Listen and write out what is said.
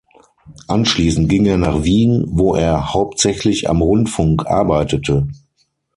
Anschließend ging er nach Wien, wo er hauptsächlich am Rundfunk arbeitete.